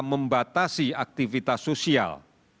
membatasi aktivitas sosial